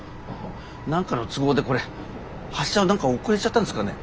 何かの都合でこれ発車が何か遅れちゃったんですかね？